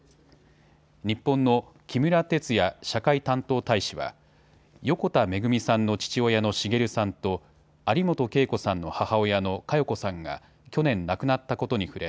日本の木村徹也社会担当大使は横田めぐみさんの父親の滋さんと有本恵子さんの母親の嘉代子さんが去年亡くなったことに触れ